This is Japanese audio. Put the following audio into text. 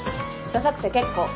ダサくて結構。